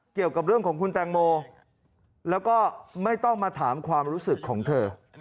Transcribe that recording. เกี่ยวกับเรื่องของคุณแตงโมแล้วก็ไม่ต้องมาถามความรู้สึกของเธอ